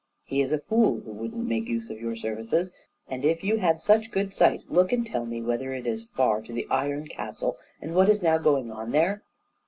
"He is a fool who wouldn't make use of your services, and if you have such good sight, look and tell me whether it is far to the iron castle, and what is now going on there?"